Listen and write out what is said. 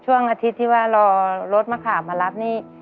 ช่วงอาทิตย์ที่ว่ารอรถมะขามมารับนี่